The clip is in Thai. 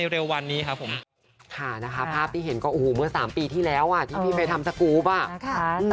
โอ้โฮสองปีสามปีแล้วไหมคะ